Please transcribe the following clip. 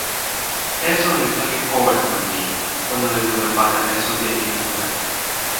esun li toki powe tan ni: ona li wile pana esun e ijo mute.